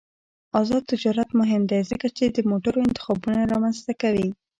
آزاد تجارت مهم دی ځکه چې د موټرو انتخابونه رامنځته کوي.